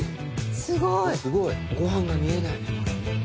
すごい！ご飯が見えない。